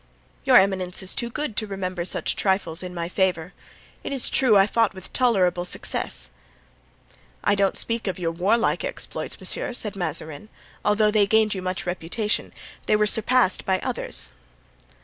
"Your eminence is too good to remember such trifles in my favor. It is true I fought with tolerable success." "I don't speak of your warlike exploits, monsieur," said Mazarin; "although they gained you much reputation, they were surpassed by others."